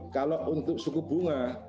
kalau untuk suku bunga